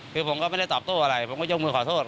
คือผมก็ไม่ได้ตอบโต้อะไรผมก็ยกมือขอโทษ